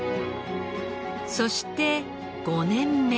そして５年目。